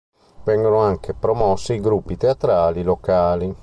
Vengono anche promossi i gruppi teatrali locali.